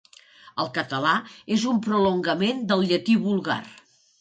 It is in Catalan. El català és un prolongament del llatí vulgar.